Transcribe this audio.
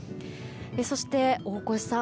そして、大越さん